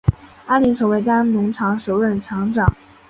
安林成为该农场首任场长。